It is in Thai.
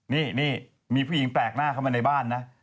นี่มีผู้หญิงแปลกหน้าเข้ามาในบ้านนะ